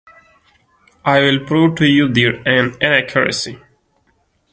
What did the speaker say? I will prove to you their inaccuracy.